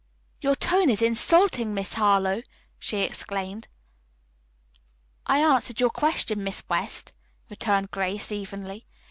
"Your tone is insulting, Miss Harlowe!" she exclaimed. "I answered your question, Miss West," returned Grace evenly.